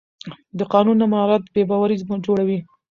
د قانون نه مراعت بې باوري جوړوي